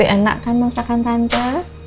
tapi enak kan masakan tante